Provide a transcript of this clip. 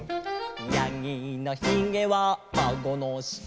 「やぎのひげはあごの下」